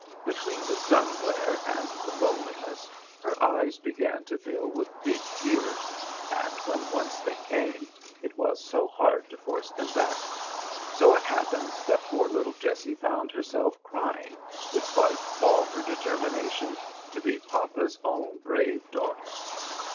Between the sun glare and the loneliness her eyes began to fill with big tears, and when once they came it was so hard to force them back; so it happened that poor little Jessie found herself crying despite all her determination to be "papa's own brave daughter."